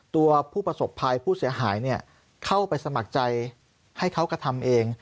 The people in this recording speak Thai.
ตัวผู้ประสบภัยผู้เสียหายเข้าไปสมัครใจให้เขากระทำเอง